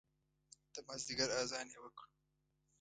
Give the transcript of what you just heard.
د مازدیګر اذان یې وکړو